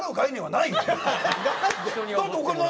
ない！